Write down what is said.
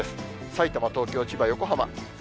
さいたま、東京、千葉、横浜。